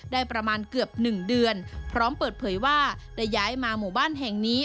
ได้ประมาณเกือบ๑เดือนพร้อมเปิดเผยว่าได้ย้ายมาหมู่บ้านแห่งนี้